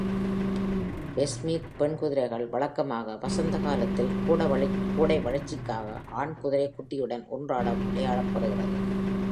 Westmeath பெண் குதிரைகள் வழக்கமாக வசந்த காலத்தில் கோடை வளர்ச்சிக்காக ஆண் குதிரைக்குட்டியுடன் ஒன்றாட விடப்படுகிறது.